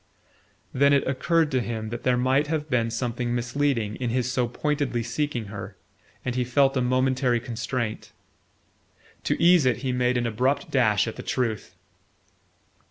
Then it occurred to him that there might have been something misleading in his so pointedly seeking her, and he felt a momentary constraint. To ease it he made an abrupt dash at the truth.